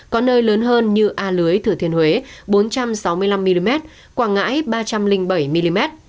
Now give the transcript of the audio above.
có nơi lớn hơn như a lưới thừa thiên huế bốn trăm sáu mươi năm mm quảng ngãi ba trăm linh bảy mm